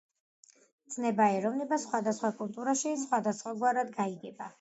ცნება „ეროვნება“ სხვადასხვა კულტურაში სხვადასხვაგვარად გაიგება.